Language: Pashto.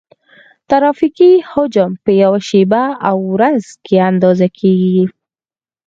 ترافیکي حجم په یوه شپه او ورځ کې اندازه کیږي